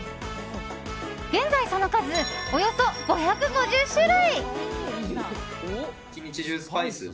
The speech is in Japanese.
現在その数、およそ５５０種類。